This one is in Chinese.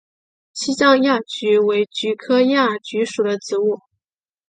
西藏亚菊为菊科亚菊属的植物。